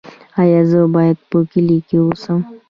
ایا زه باید په کلي کې اوسم؟